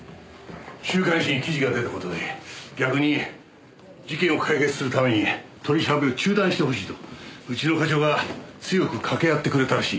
週刊誌に記事が出た事で逆に事件を解決するために取り調べを中断してほしいとうちの課長が強くかけ合ってくれたらしい。